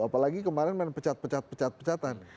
apalagi kemarin main pecat pecat pecat pecatan